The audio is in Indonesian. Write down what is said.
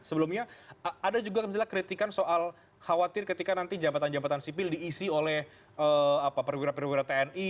sebelumnya ada juga kritikan soal khawatir ketika nanti jempatan jempatan sipil diisi oleh perguruan perguruan tni